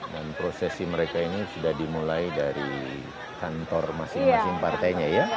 dan prosesi mereka ini sudah dimulai dari kantor masing masing partainya ya